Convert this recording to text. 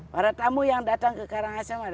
para tamu yang datang ke karangasem